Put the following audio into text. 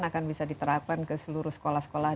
akan bisa diterapkan ke seluruh sekolah sekolah